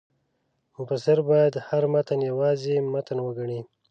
مفسر باید هر متن یوازې متن وګڼي.